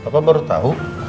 papa baru tahu